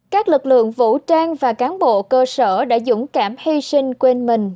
các lực lượng vũ trang và cán bộ cơ sở đã dũng cảm hy sinh quên mình